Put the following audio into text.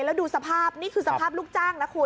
แล้วดูสภาพนี่คือสภาพลูกจ้างนะคุณ